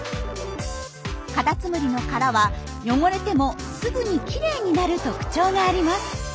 カタツムリの殻は汚れてもすぐにきれいになる特徴があります。